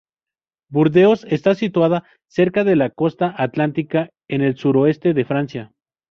Burdeos está situada cerca de la costa atlántica, en el suroeste de Francia.